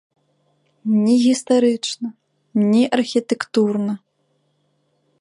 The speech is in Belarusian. Ні гістарычна, ні архітэктурна.